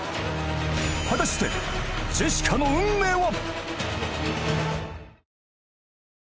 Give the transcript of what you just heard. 果たしてジェシカの運命は！？